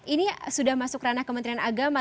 ini sudah masuk ranah kementerian agama